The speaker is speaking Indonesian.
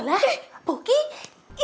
gila banyak sobat bukannya